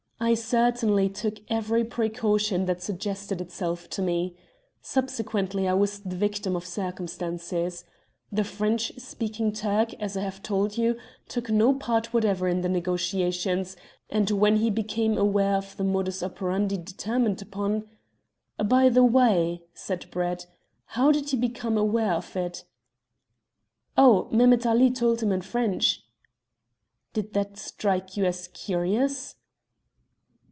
"I certainly took every precaution that suggested itself to me. Subsequently I was the victim of circumstances. The French speaking Turk, as I have told you, took no part whatever in the negotiations, and when he became aware of the modus operandi determined upon " "By the way," said Brett, "how did he become aware of it?" "Oh, Mehemet Ali told him in French." "Didn't that strike you as curious?"